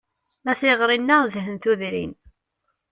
A tiɣri-nneɣ dhen tudrin.